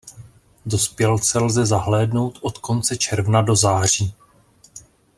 Dospělce lze zahlédnout od konce června do září.